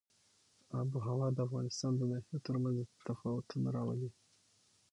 آب وهوا د افغانستان د ناحیو ترمنځ تفاوتونه راولي.